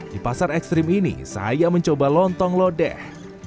di pasar ekstrim ini saya mencoba lontong lodeh